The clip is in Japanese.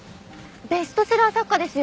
ベストセラー作家ですよ。